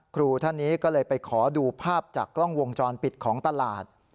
ครูท่านนี้ก็เลยไปขอดูภาพจากกล้องวงจรปิดของตลาด